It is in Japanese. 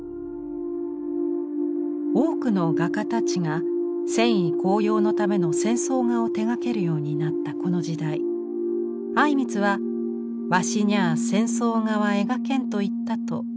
多くの画家たちが戦意高揚のための戦争画を手がけるようになったこの時代靉光は「わしにゃあ戦争画は描けん」と言ったと伝えられています。